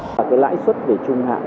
và cái lãi suất về trung hạn